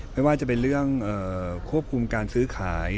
ไม่ว่าจะเป็นเรื่องควบคุมการซื้อขาย